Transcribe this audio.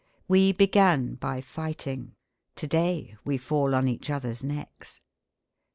We began by fighting; to day we fall on each other's necks.